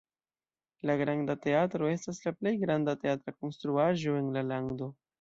La Granda Teatro estas la plej granda teatra konstruaĵo en la lando.